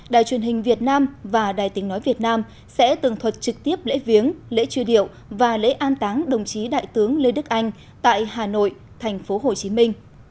đài truyền hình việt nam và đài tình nói việt nam sẽ tường thuật trực tiếp lễ viếng lễ truy điệu và lễ an táng đồng chí đại tướng lê đức anh tại hà nội thành phố hồ chí minh